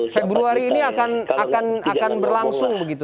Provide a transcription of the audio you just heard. februari ini akan berlangsung